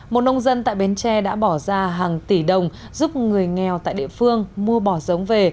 một nông dân tại bến tre đã bỏ ra hàng tỷ đồng giúp người nghèo tại địa phương mua bỏ giống về